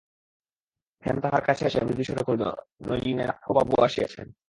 হেম তাঁহার কাছে আসিয়া মৃদুস্বরে কহিল, নলিনাক্ষবাবু আসিয়াছেন।